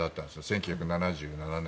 １９７７年。